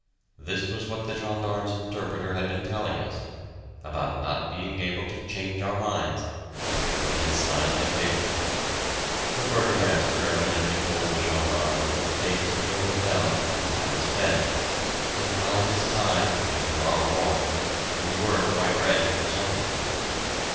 This was what the gendarme's interpreter had been telling us, about not being able to change our minds after we had signed the paper! The Burgomaster evidently told the gendarme to take us to the hotel and have us fed, and by this time, after our walk, we were quite ready for something.